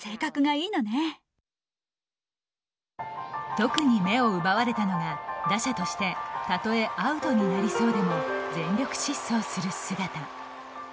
特に目を奪われたのが打者としてたとえアウトになりそうでも全力疾走する姿。